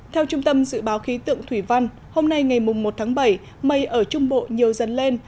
theo trung tâm dự báo khí tượng thủy văn hôm nay ngày một tháng bảy mây ở trung bộ nhiều dần lên